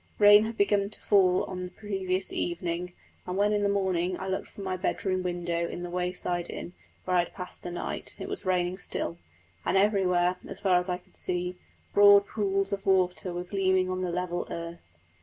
Rain had begun to fall on the previous evening; and when in the morning I looked from my bedroom window in the wayside inn, where I had passed the night, it was raining still, and everywhere, as far as I could see, broad pools of water were gleaming on the level earth.